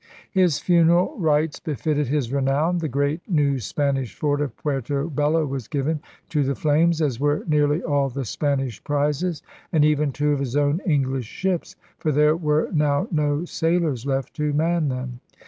* His funeral rites befitted his renown. The great new Spanish fort of Puerto Bello was given to the flames, as were nearly all the Spanish prizes, and even two of his own English ships; for there were now no sailors left to man them.